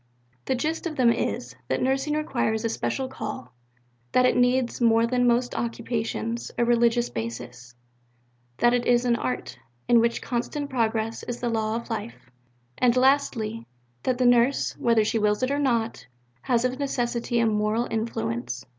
The gist of them is: that nursing requires a special call; that it needs, more than most occupations, a religious basis; that it is an art, in which constant progress is the law of life; and lastly, that the nurse, whether she wills it or not, has of necessity a moral influence.